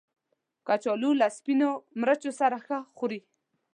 کچالو له سپینو مرچو سره ښه خوري